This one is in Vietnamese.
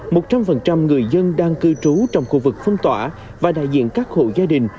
một trăm linh người dân đang cư trú trong khu vực phong tỏa và đại diện các hộ gia đình